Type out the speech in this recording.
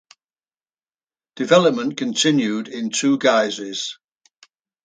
Development continued in two guises.